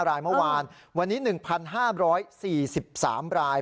รายเมื่อวานวันนี้๑๕๔๓ราย